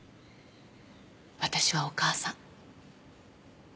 私はお母さん。